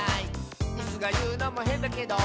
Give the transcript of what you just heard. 「イスがいうのもへんだけど」